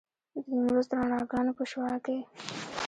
د نیمروز د رڼاګانو په شعاع کې.